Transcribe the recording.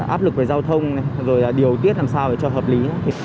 áp lực về giao thông rồi điều tiết làm sao cho hợp lý